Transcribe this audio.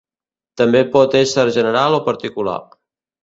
També pot ésser general o particular.